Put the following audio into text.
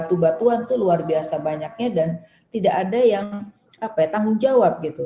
batu batuan itu luar biasa banyaknya dan tidak ada yang tanggung jawab gitu